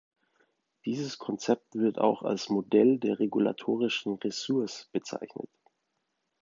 Dieses Konzept wird auch als "Modell der regulatorischen Ressource" bezeichnet.